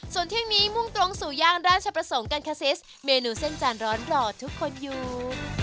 ส่วนเที่ยงนี้มุ่งตรงสู่ย่านราชประสงค์กันคาซิสเมนูเส้นจานร้อนหล่อทุกคนอยู่